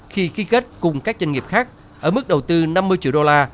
khi ký kết cùng các doanh nghiệp khác ở mức đầu tư năm mươi triệu đô la